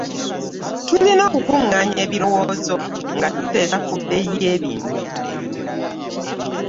Tulina okukunganya ebirowoozo nga tuteesa ku bbeeyi yebintu.